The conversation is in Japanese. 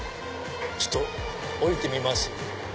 ちょっと降りてみます。